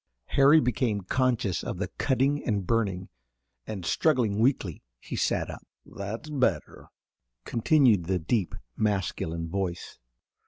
Harry became conscious of the "cutting" and "burning," and, struggling weakly, he sat up. "That's better," continued the deep, masculine voice.